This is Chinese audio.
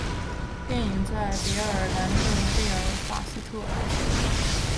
电影在北爱尔兰的贝尔法斯特拍摄。